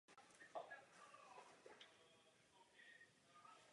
První z nich se uskutečňuje v listopadu či prosinci a poslední probíhá v březnu.